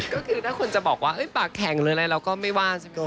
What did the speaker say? ก็คือถ้าคนจะบอกว่าปากแข็งอะไรเราก็ไม่ว่าใช่ไหม